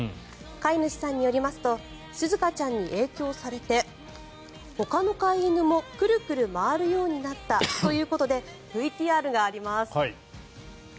飼い主さんによりますとすずかちゃんに影響されてほかの飼い犬もクルクル回るようになったということでＶＴＲがあります。